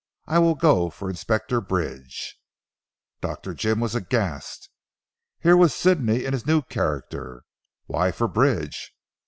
I will go for Inspector Bridge." Dr. Jim was aghast. Here was Sidney in a new character. "Why for Bridge?"